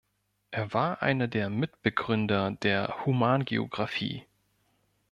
Er war einer der Mitbegründer der Humangeographie.